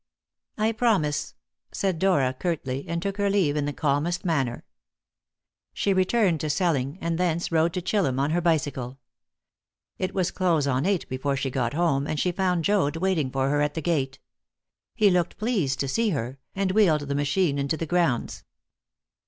"I promise," said Dora curtly, and took her leave in the calmest manner. She returned to Selling, and thence rode to Chillum on her bicycle. It was close on eight before she got home, and she found Joad waiting for her at the gate. He looked pleased to see her, and wheeled the machine into the grounds.